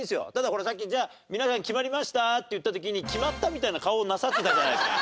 さっき「じゃあ皆さん決まりました？」って言った時に決まったみたいな顔をなさってたじゃないですか。